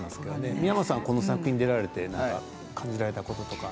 三山さん、この作品に出られて感じられたこととかは？